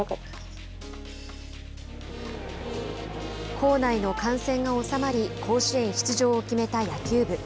校内の感染がおさまり甲子園出場を決めた野球部。